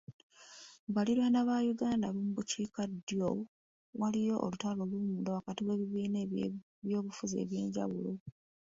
Mu baliraanwa ba Uganda ab'omu bukiikaddyo waliwo olutalo olwomunda wakati w'ebibiina by'ebyobufuzi ebyenjawulo.